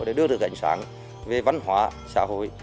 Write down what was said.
để đưa được ánh sáng về văn hóa xã hội